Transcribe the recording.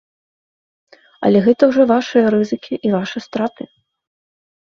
Але гэта ўжо вашыя рызыкі і вашы страты.